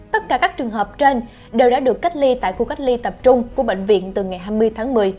tất cả các trường hợp trên đều đã được cách ly tại khu cách ly tập trung của bệnh viện từ ngày hai mươi tháng một mươi